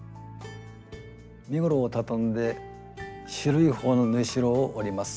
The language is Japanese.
身ごろを畳んで広い方の縫いしろを折ります。